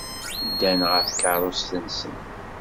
Ddan ɣer tkeṛṛust-nsen.